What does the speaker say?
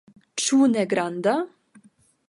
Ĉu ne granda?